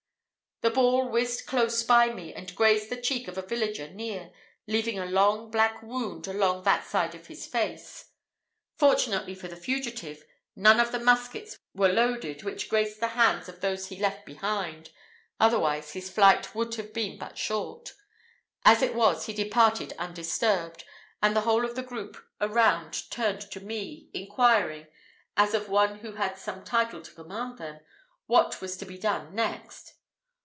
The ball whizzed close by me, and grazed the cheek of a villager near, leaving a long black wound along that side of his face. Fortunately for the fugitive, none of the muskets were loaded which graced the hands of those he left behind, otherwise his flight would have been but short. As it was, he departed undisturbed, and the whole of the group around turned to me, inquiring, as of one who had some title to command them, what was to be done next?